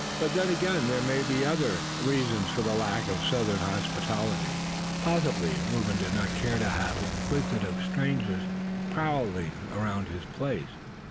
But then again, there may have been other reasons for the lack of Southern hospitality. Possibly Reuben did not care to have inquisitive strangers prowling about his place.